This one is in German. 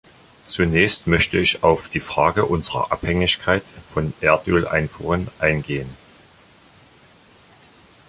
Zunächst möchte ich auf die Frage unserer Abhängigkeit von Erdöleinfuhren eingehen.